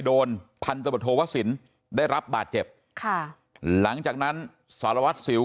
โดนพันธบทโทวสินได้รับบาดเจ็บค่ะหลังจากนั้นสารวัตรสิว